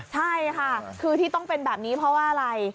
ใช่ค่ะคือที่ต้องเป็นแบบนี้เพราะว่าอะไร